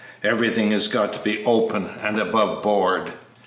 Everything has got to be open and above board."